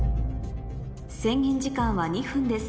制限時間は２分です